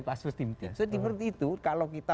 pastor tim tim soalnya dipercaya itu kalau kita